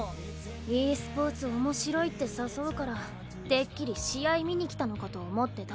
ｅスポーツ面白いって誘うからてっきり試合見に来たのかと思ってた。